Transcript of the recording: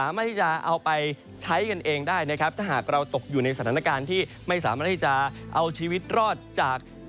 ไม่สาเหรอที่จะเอาชีวิตรอดจาก